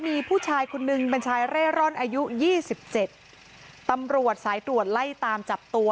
มีผู้ชายคนนึงเป็นชายเร่ร่อนอายุยี่สิบเจ็ดตำรวจสายตรวจไล่ตามจับตัว